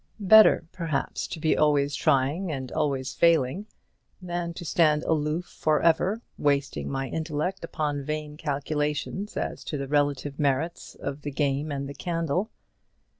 Better, perhaps, to be always trying and always failing, than to stand aloof for ever, wasting my intellect upon vain calculations as to the relative merits of the game and the candle.